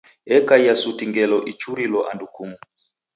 Ekaia suti ngelo ichurilo andu kumu.